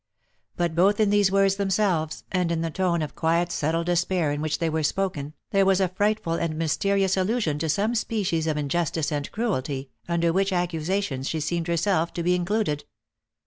But both in these words themselves, and in the tone of quiet settled despair in which they were spoken, there was a frightful and mysterious allusion to some species of injustice and cruelty, under which accusation she seemed herself to be included.